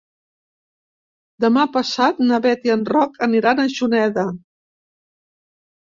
Demà passat na Bet i en Roc aniran a Juneda.